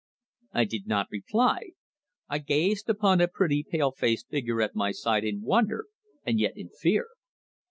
I did not reply. I gazed upon the pretty, pale faced figure at my side in wonder and yet in fear.